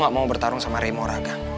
gue gak mau bertarung sama rai maura gak